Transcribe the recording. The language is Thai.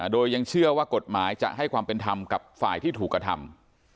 โดยยังเชื่อว่ากฎหมายจะให้ความเป็นธรรมกับฝ่ายที่ถูกกระทำ